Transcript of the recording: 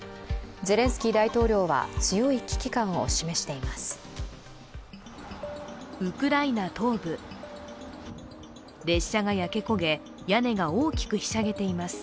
ゼレンスキー大統領は強い危機感を示しています。